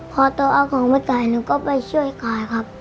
พอตัวอาของก็ไปช่วยกายครับ